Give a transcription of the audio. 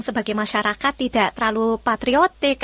sebagai masyarakat tidak terlalu patriotik